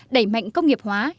đẩy mạnh công nghiệp hội nhập